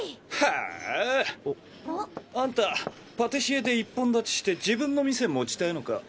ヘェあんたパティシエで一本立ちして自分の店持ちたいのか？